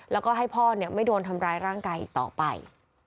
แล้วก็ให้พ่อไม่โดนทำร้ายร่างกายอีกต่อไป